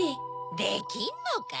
できんのか？